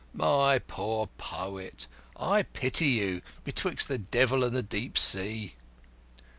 My poor poet, I pity you betwixt the devil and the deep sea."